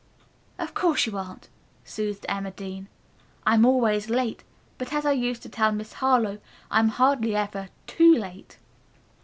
"Of course you aren't," soothed Emma Dean. "I'm always late, but, as I used to tell Miss Harlowe, I am hardly ever too late.